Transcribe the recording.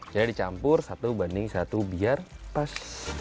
jadi dicampur satu banding satu biar pas